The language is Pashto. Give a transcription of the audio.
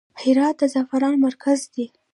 هرات د زعفرانو مرکز دی